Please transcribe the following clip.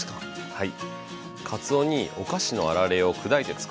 はい。